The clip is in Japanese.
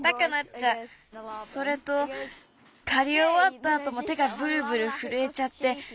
それとかりおわったあとも手がぶるぶるふるえちゃって。